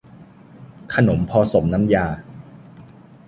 ขนมพอสมน้ำยา